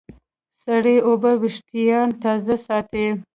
سړې اوبه وېښتيان تازه ساتي.